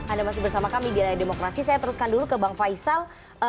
anda masih bersama kami di layar demokrasi saya teruskan dulu ke bang faisal